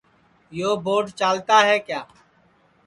یو بوڈ چالتا ہے کیا